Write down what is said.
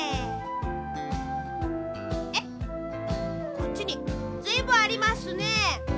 こっちにずいぶんありますね。